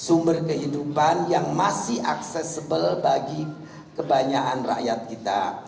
sumber kehidupan yang masih accessible bagi kebanyakan rakyat kita